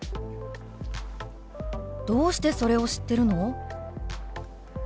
「どうしてそれを知ってるの？」。